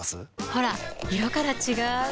ほら色から違う！